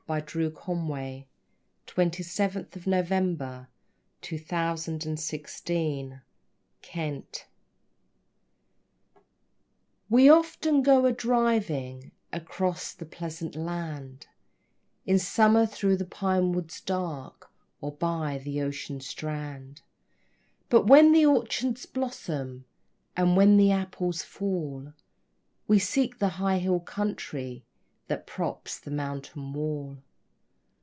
So take away your crucifix The everliving gods for me! THE UPLAND We often go a driving across the pleasant land, In summer through the pine woods dark, or by the ocean strand; But when the orchards blossom, and when the apples fall, We seek the high hill country that props the mountain wall.